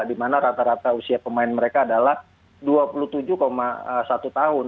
dimana rata rata usia pemain mereka adalah dua puluh tujuh satu tahun